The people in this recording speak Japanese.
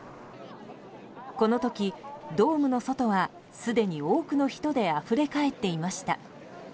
この時、ドームの外はすでに多くの人であふれ返っていました。